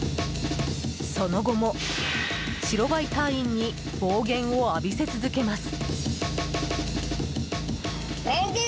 その後も、白バイ隊員に暴言を浴びせ続けます。